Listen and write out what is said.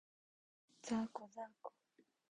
ざーこ、ざーこ